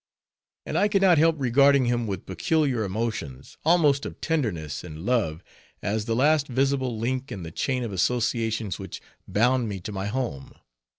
And I could not help regarding him with peculiar emotions, almost of tenderness and love, as the last visible link in the chain of associations which bound me to my home.